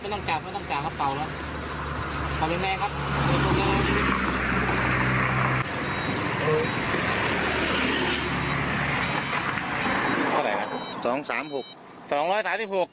เออ๒๓๖เมลิคนับเปอร์เซ็นต์